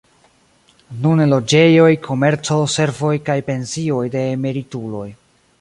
Nune loĝejoj, komerco, servoj kaj pensioj de emerituloj.